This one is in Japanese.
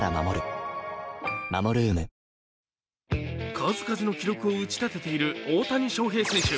数々の記録を打ち立てている大谷翔平選手。